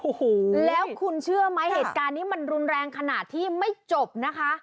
โอ้โหแล้วคุณเชื่อไหมเหตุการณ์นี้มันรุนแรงขนาดที่ไม่จบนะคะ